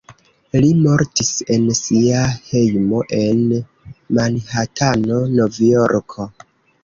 Li mortis en sia hejmo en Manhatano, Novjorko.